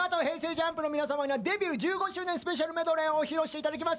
ＪＵＭＰの皆様にはデビュー１５周年スペシャルメドレーを披露していただきます。